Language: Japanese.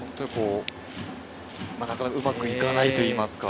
なかなかうまくいかないといいますか。